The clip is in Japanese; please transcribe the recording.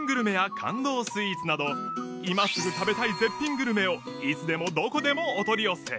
スイーツなど今すぐ食べたい絶品グルメをいつでもどこでもお取り寄せ